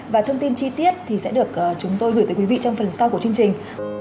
và thông tin chi tiết thì sẽ được chúng tôi gửi tới quý vị trong phần sau của chương trình